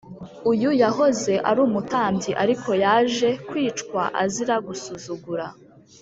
uyu yahoze arumutambyi ariko yaje kwicwa azira gusuzugura